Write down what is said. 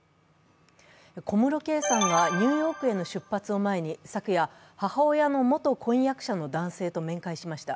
小室圭さんがニューヨークへの出発を前に昨夜、母親の元婚約者の男性と面会しました。